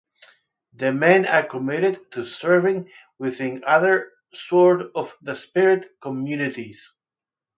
The men are committed to serving within other Sword of the Spirit communities.